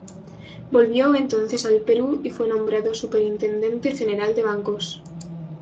Volvió entonces al Perú y fue nombrado superintendente general de bancos.